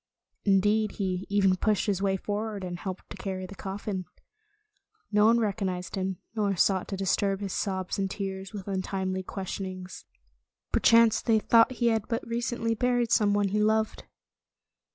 Indeed, he even pushed his way forward and helped to carry the coffin. No one recognized him, nor sought to disturb his sobs and tears with untimely questionings. Perchance they thought he had but recently buried some one he loved.